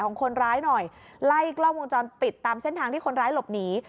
ของคนร้ายหน่อยไล่กล้องวงจรปิดตามเส้นทางที่คนร้ายหลบหนี